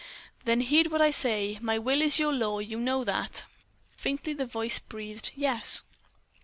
"Then heed what I say. My will is your law. You know that?" Faintly the voice breathed: "Yes."